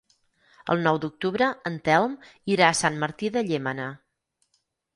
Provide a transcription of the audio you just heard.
El nou d'octubre en Telm irà a Sant Martí de Llémena.